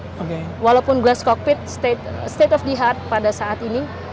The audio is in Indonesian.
jadi kita bisa lihat di dalam glass cockpit state of the art pada saat ini